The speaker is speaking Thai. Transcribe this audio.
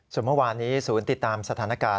ส่วนเมื่อวานนี้ศูนย์ติดตามสถานการณ์